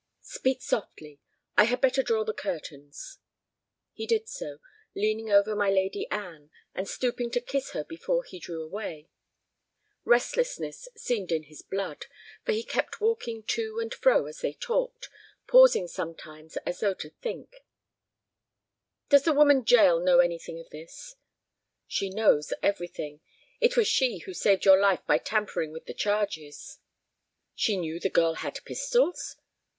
"Speak softly. I had better draw the curtains." He did so, leaning over my Lady Anne, and stooping to kiss her before he drew away. Restlessness seemed in his blood, for he kept walking to and fro as they talked, pausing sometimes as though to think. "Does the woman Jael know anything of this?" "She knows everything. It was she who saved your life by tampering with the charges." "She knew the girl had pistols?"